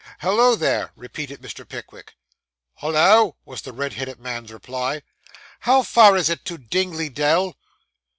'Hollo there!' repeated Mr. Pickwick. 'Hollo!' was the red headed man's reply. 'How far is it to Dingley Dell?